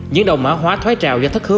những đầu mã hóa thoái trào do thất hứa